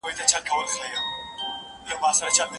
که توافق نه وي، واده به هيڅکله بريالی نه سي.